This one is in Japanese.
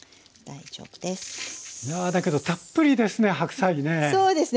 いやだけどたっぷりですね